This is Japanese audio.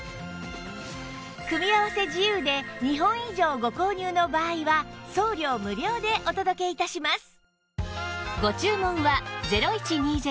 組み合わせ自由で２本以上ご購入の場合は送料無料でお届け致します